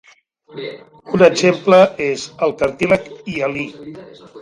Un exemple és el cartílag hialí.